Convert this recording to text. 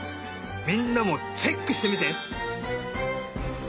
みんなもチェックしてみて！